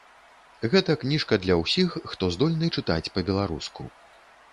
Гэта кніжка для ўсіх, хто здольны чытаць па-беларуску.